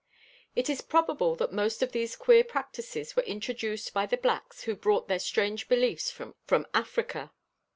It is probable that most of these queer practices were introduced by the blacks who brought their strange beliefs from Africa.